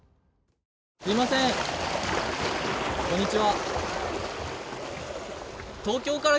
すいません、こんにちは。